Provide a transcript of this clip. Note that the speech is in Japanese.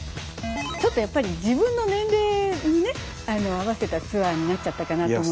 ちょっとやっぱり自分の年齢に合わせたツアーになっちゃったかなと。